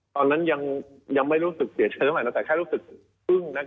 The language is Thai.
ตอนนั้นยังไม่รู้สึกเสียเชื้อใหม่นะแต่แค่รู้สึกอึ้ง